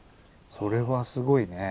それはすごいねえ。